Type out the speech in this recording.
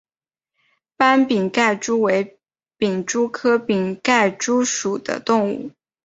斑皿盖蛛为皿蛛科皿盖蛛属的动物。